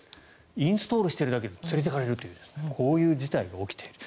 インストールしているだけで連れていかれるというこういう事態が起きていると。